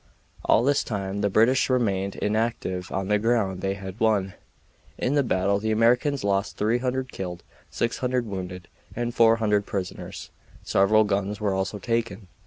All this time the British remained inactive on the ground they had won. In the battle the Americans lost 300 killed, 600 wounded, and 400 prisoners. Several guns were also taken.